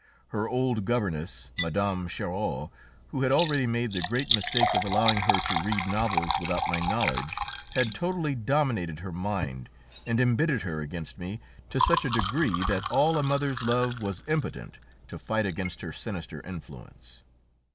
Her old governess, Mme. Charrot, who had already made the great mistake of allowing her to read novels without my knowledge, had totally dominated her mind and embittered her against me to such a degree that all a mother's love was impotent to fight against her sinister influence.